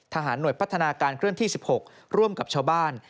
หน่วยพัฒนาการเคลื่อนที่๑๖ร่วมกับชาวบ้าน